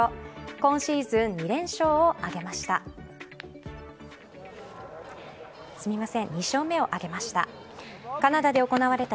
今シーズン２勝目を挙げました。